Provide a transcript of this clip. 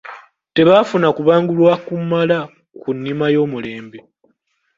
Tebaafuna kubangulwa kumala ku nnima ey’omulembe.